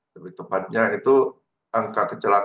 lebih tepatnya itu angka kecelakaan